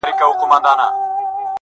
پر منبر مي اورېدلي ستا نطقونه٫